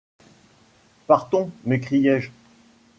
Partons ! m’écriai-je.